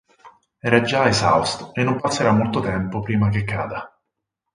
Era già esausto e non passerà molto tempo prima che cada.